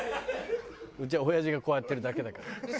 うちはおやじがこうやってるだけだから。